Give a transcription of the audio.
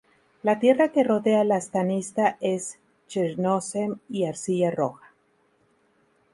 La tierra que rodea la "stanitsa" es "chernozem y arcilla roja.